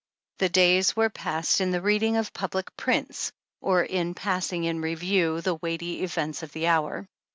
The days were passed in the reading of public prints, or in passing in review the weighty events of the hour.